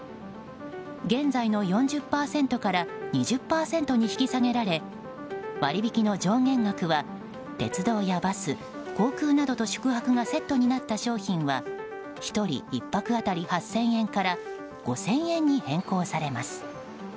現在の４０％から２０％に引き下げられ割引の上限額は、鉄道やバス航空などと宿泊がセットとなった商品は１人１泊当たり８０００円から５０００円に変更されます。